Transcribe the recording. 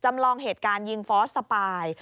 จำลองเหตุการณ์ยิงฟอสสปาย